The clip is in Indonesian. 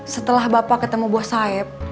setelah bapak ketemu bos saeb